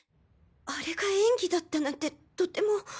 あれが演技だったなんてとても。